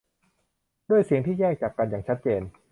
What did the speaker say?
ด้วยเสียงที่แยกจากกันอย่างชัดเจน